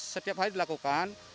setiap hari dilakukan